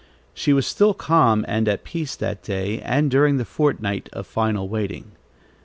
She was still calm and at peace that day, and during the fortnight of final waiting.